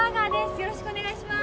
よろしくお願いします